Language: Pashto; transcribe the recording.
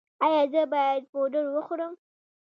ایا زه باید پوډر وخورم؟